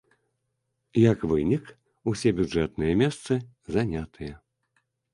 Як вынік, усе бюджэтныя месцы занятыя.